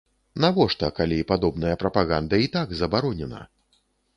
Навошта, калі падобная прапаганда і так забаронена?